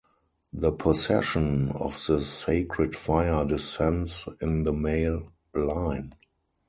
The possession of the sacred fire descends in the male line.